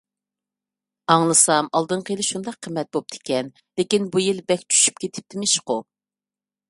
ئاڭلىسام ئالدىنقى يىلى شۇنداق قىممەت بوپتىكەن. لېكىن بۇ يىل بەك چۈشۈپ كېتىپتىمىشقۇ!